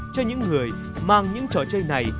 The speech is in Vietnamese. cho những người mang những trò chơi này